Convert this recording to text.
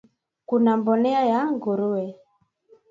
Kuna mbolea ya nguruwe